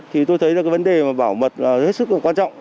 thì tôi thấy là cái vấn đề bảo mật là hết sức quan trọng